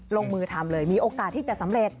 ลงมือทำเลยมีโอกาสที่จะสำเร็จ